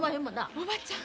おばちゃん。